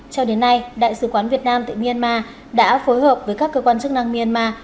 cho đến nay đại sứ quán việt nam tại myanmar đã phối hợp với các cơ quan chức năng myanmar